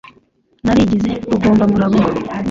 narigize rugombamurango